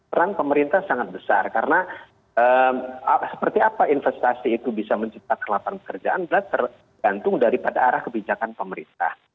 peran pemerintah sangat besar karena seperti apa investasi itu bisa menciptakan lapangan pekerjaan tergantung daripada arah kebijakan pemerintah